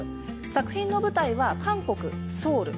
作品の舞台は韓国ソウル。